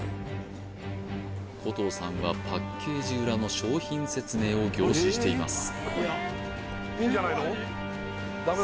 古藤さんはパッケージ裏の商品説明を凝視しています